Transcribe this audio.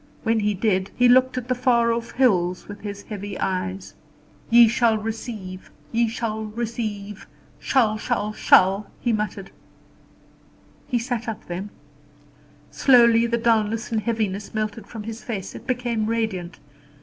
When he did, he looked at the far off hills with his heavy eyes. "Ye shall receive ye shall receive shall, shall, shall," he muttered. He sat up then. Slowly the dulness and heaviness melted from his face; it became radiant.